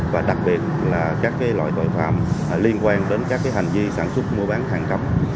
và đặc biệt là các loại tội phạm liên quan đến các hành vi sản xuất mua bán hàng cấm